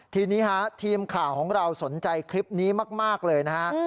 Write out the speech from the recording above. ทีนี้ฮะทีมข่าวของเราสนใจคลิปนี้มากเลยนะฮะ